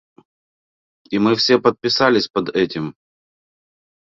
И мы все подписались под этим.